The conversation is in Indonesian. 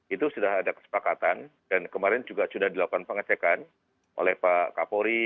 itu sudah ada kesepakatan dan kemarin juga sudah dilakukan pengecekan oleh pak kapolri